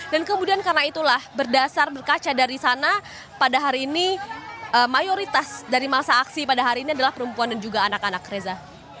dan kemudian karena itulah berdasar berkaca dari sana pada hari ini mayoritas dari masa aksi pada hari ini adalah perempuan dan juga anak anak reza